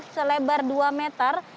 selebar dua meter